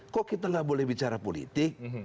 kok kita nggak boleh bicara politik